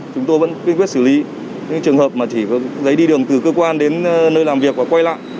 chúng tôi vẫn quy quyết xử lý những trường hợp mà chỉ có giấy đi đường từ cơ quan đến nơi làm việc và quay lại